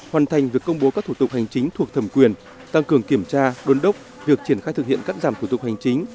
hoàn thành việc công bố các thủ tục hành chính thuộc thẩm quyền tăng cường kiểm tra đôn đốc việc triển khai thực hiện cắt giảm thủ tục hành chính